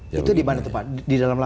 itu di mana tepat di dalam lapas